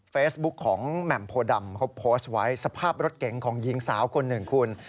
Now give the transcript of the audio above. เฟซบุ๊คของแหม่มโพดำเขาโพสต์ไว้สภาพรถเก๋งของหญิงสาวคนหนึ่งคุณ